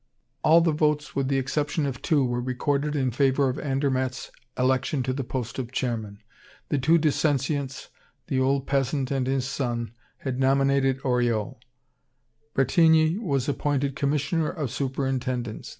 All the votes with the exception of two, were recorded in favor of Andermatt's election to the post of chairman. The two dissentients the old peasant and his son had nominated Oriol. Bretigny was appointed commissioner of superintendence.